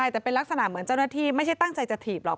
แต่เป็นลักษณะเหมือนเจ้าหน้าที่ไม่ใช่ตั้งใจจะถีบหรอก